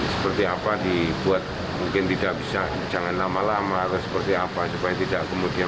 seperti apa dibuat mungkin tidak bisa jangan lama lama harus seperti apa supaya tidak kemudian